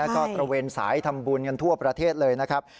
ก็ตระเวนสายทำบุญกันทั่วประเทศเลยนะครับ